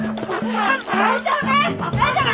大丈夫！？